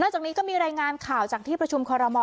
จากนี้ก็มีรายงานข่าวจากที่ประชุมคอรมอล